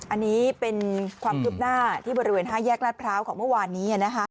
อันนี้เป็นความคืบหน้าที่บริเวณ๕แยกลาดพร้าวของเมื่อวานนี้